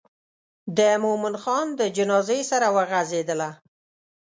د مومن خان د جنازې سره وغزېدله.